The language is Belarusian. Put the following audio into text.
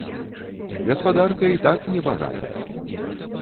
Гаспадарка і так небагатая.